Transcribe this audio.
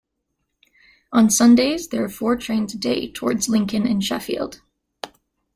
On Sundays there are four trains a day towards Lincoln and Sheffield.